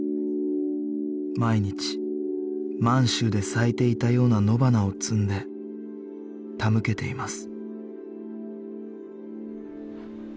毎日満州で咲いていたような野花を摘んで手向けています